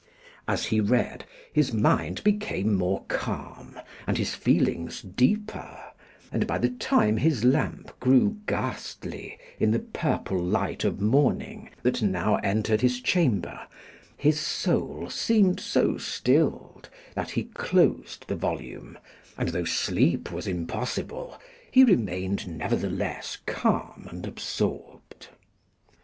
As he read, his mind became more calm and his feelings deeper, and by the time his lamp grew ghastly in the purple light of morning that now entered his chamber, his soul seemed so stilled that he closed the volume, and, though sleep was impossible, he remained nevertheless calm and absorbed.